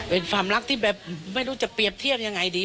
เป็นความรักที่แบบไม่รู้จะเปรียบเทียบยังไงดี